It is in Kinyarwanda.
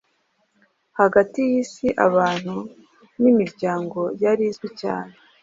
Hagati yisi-abantu nimiryango yari izwi cyane